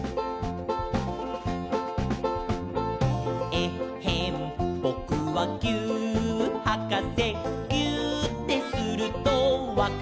「えっへんぼくはぎゅーっはかせ」「ぎゅーってするとわかるんだ」